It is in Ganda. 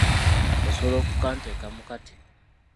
Osobola okukanteekamu kati?